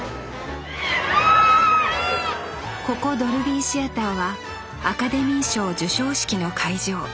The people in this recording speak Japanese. ここドルビーシアターはアカデミー賞授賞式の会場。